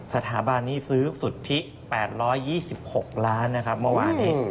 สถาบันนี้ซื้อสุทธิ๘๒๖ล้านนะครับเมื่อวานนี้